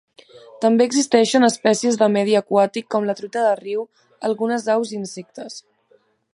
També existeixen espècies de medi aquàtic com la truita de riu, algunes aus i insectes.